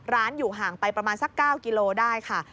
อยู่ห่างไปประมาณสัก๙กิโลได้ค่ะ